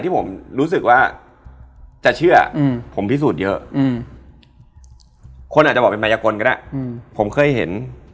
ต้องอธิบายก่อน